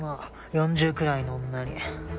４０くらいの女に。